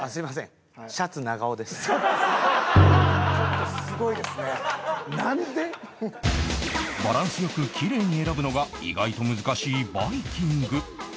バランス良くきれいに選ぶのが意外と難しいバイキング